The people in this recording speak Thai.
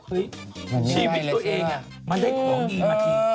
ชีวิตตัวเองมันได้ของดีมาที